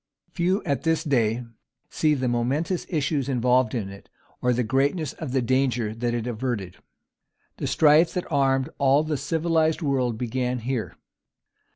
Few at this day see the momentous issues involved in it, or the greatness of the danger that it averted. The strife that armed all the civilized world began here.